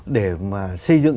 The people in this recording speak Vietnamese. để mà xây dựng